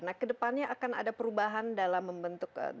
nah ke depannya akan ada perubahan dalam membentuk